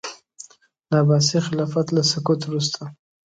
د عباسي خلافت له سقوط وروسته.